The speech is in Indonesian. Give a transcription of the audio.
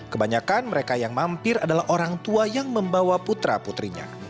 kebanyakan mereka yang mampir adalah orang tua yang membawa putra putrinya